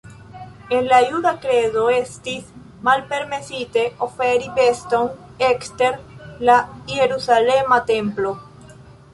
En la juda kredo estis malpermesite oferi beston ekster la Jerusalema templo.